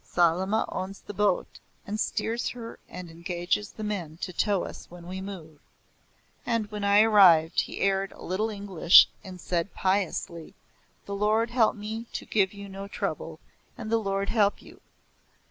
Salama owns the boat, and steers her and engages the men to tow us when we move. And when I arrived he aired a little English and said piously; The Lord help me to give you no trouble, and the Lord help you!